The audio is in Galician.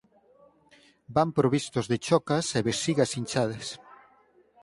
Van provistos de chocas e vexigas inchadas.